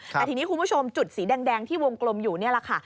แต่ทีนี้คุณผู้ชมจุดสีแดงที่วงกลมอยู่นี่แหละค่ะ